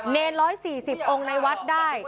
๑๔๐องค์ในวัดได้